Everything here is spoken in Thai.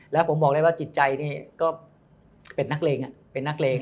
แล้วผมบอกได้ว่าจิตใจนี่ก็เป็นนักเลงเป็นนักเลง